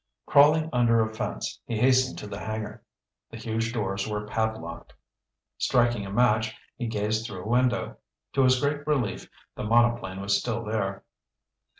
Crawling under a fence, he hastened to the hangar. The huge doors were padlocked. Striking a match, he gazed through a window. To his great relief, the monoplane was still there.